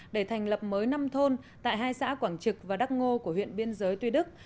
để thành lập mới năm thôn tại hai xã quảng trực và đắc ngô của huyện biên giới tuy đức